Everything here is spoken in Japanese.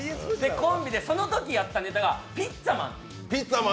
コンビでそのときやったネタが「ピッツァマン」。